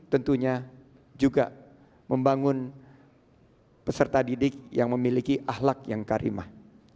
tentunya juga membangun peserta didik yang memiliki ahlak yang karimah